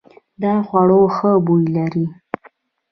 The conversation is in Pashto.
دا خوړو ښه بوی لري.